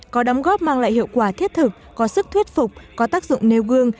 có đóng góp mang lại hiệu quả thiết thực có sức thuyết phục có tác dụng nêu gương